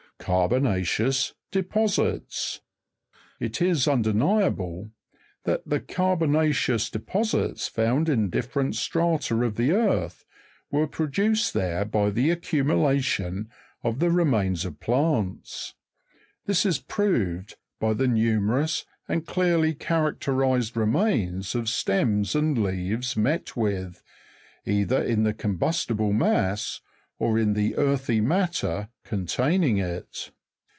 6. Carbona'ceous deposits. It is undeniable, that the carbo na'ceous deposits found in different strata of the earth, were pro duced there by the accumulation of the remains of plants ; this is proved by the numerous and clearly characterized remains of stems and leaves met with, either in the combustible mass or in the earthy matter containing it.